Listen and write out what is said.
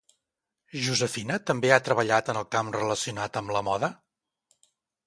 Josefina també ha treballat en el camp relacionat amb la moda?